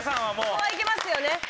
ここはいけますよね。